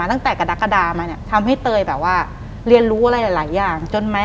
หลังจากนั้นเราไม่ได้คุยกันนะคะเดินเข้าบ้านอืม